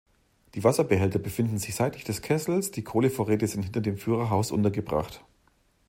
Die Wasserbehälter befinden sich seitlich des Kessels, die Kohlevorräte sind hinter dem Führerhaus untergebracht.